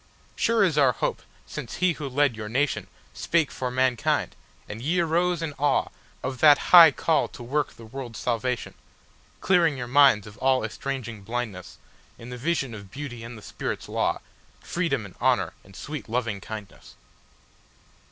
Sure is our hope since he who led your nationSpake for mankind, and ye arose in aweOf that high call to work the world's salvation; Clearing your minds of all estranging blindnessIn the vision of Beauty and the Spirit's law, Freedom and Honour and sweet Lovingkindness.